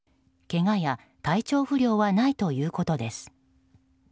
けがや体調不良はないということです。